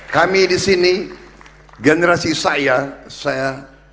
kami di sini generasi saya saya